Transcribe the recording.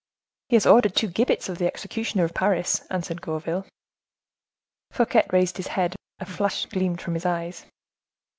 "He has ordered two gibbets of the executioner of Paris," answered Gourville. Fouquet raised his head, and a flash gleamed from his eyes.